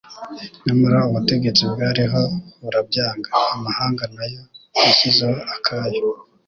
nyamara ubutegetsi bwariho burabyanga. Amahanga na yo yashyizeho akayo